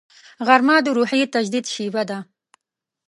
غرمه د روحي تجدید شیبه ده